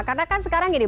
karena kan sekarang gini